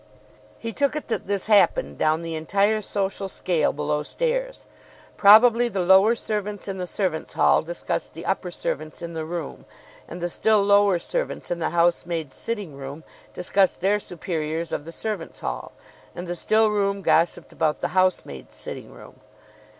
He took it that this happened down the entire social scale below stairs. Probably the lower servants in the servants' hall discussed the upper servants in the room, and the still lower servants in the housemaids' sitting room discussed their superiors of the servants' hall, and the stillroom gossiped about the housemaids' sitting room.